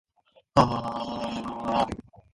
It is flat and coastal.